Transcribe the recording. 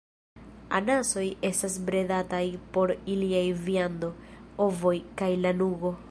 Anasoj estas bredataj por iliaj viando, ovoj, kaj lanugo.